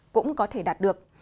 cũng có thể đạt được